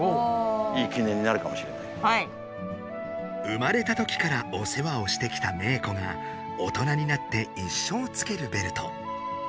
生まれたときからお世話をしてきたメー子が大人になって一生つけるベルト。